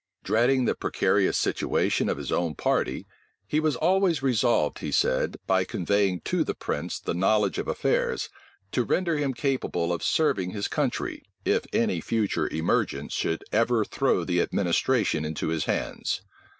Dreading the precarious situation of his own party, he was always resolved, he said, by conveying to the prince the knowledge of affairs, to render him capable of serving his country, if any future emergence should ever throw the administration into his hands.